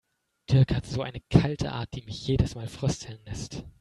Dirk hat so eine kalte Art, die mich jedes Mal frösteln lässt.